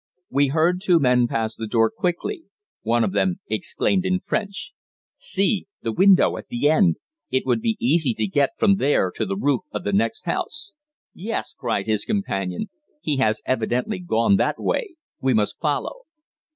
We heard two men pass the door quickly. One of them exclaimed in French "See! The window at the end! It would be easy to get from there to the roof of the next house." "Yes!" cried his companion. "He has evidently gone that way. We must follow."